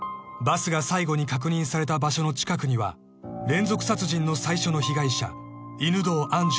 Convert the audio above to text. ［バスが最後に確認された場所の近くには連続殺人の最初の被害者犬堂愛